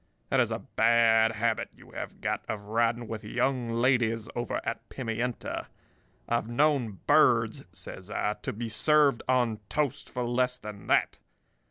That is a bad habit you have got of riding with young ladies over at Pimienta. I've known birds,' says I, 'to be served on toast for less than that.